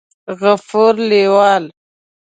غفور لېوال